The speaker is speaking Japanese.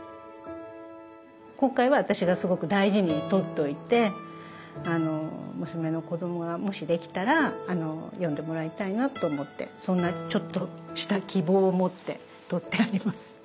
今回は私がすごく大事に取っておいて娘の子供がもしできたら読んでもらいたいなと思ってそんなちょっとした希望を持って取ってあります。